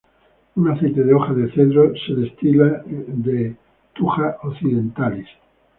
Un aceite de hoja de cedro se destila de "Thuja occidentalis".